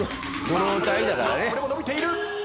これも伸びている！